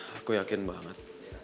aku yakin banget